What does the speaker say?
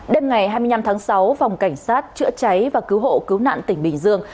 đêm ngày hai mươi năm tháng sáu phòng cảnh sát chữa cháy và cứu hộ cứu nạn tỉnh bình dương